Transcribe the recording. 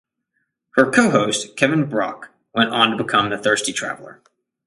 Her co-host, Kevin Brauch, went on to become "The Thirsty Traveler".